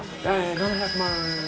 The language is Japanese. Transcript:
７００万円？